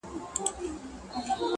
د غله مور په غلا ژاړي.